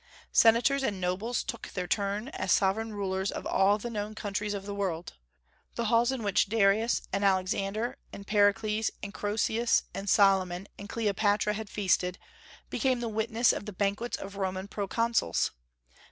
Senators and nobles took their turn as sovereign rulers of all the known countries of the world. The halls in which Darius and Alexander and Pericles and Croesus and Solomon and Cleopatra had feasted, became the witness of the banquets of Roman proconsuls.